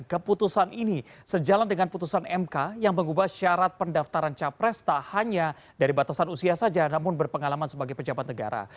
keputusan ini sejalan dengan putusan mk yang mengubah syarat pendaftaran capres tak hanya dari batasan usia saja namun berpengalaman sebagai pejabat negara